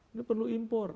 ini perlu impor